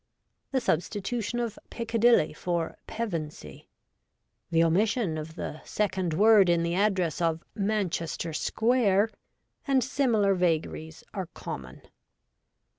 The substitution of ' Piccadilly ' for ' Pevensey '; the omission of the second word in the address of ' Manchester Square,' and similar vagaries are common.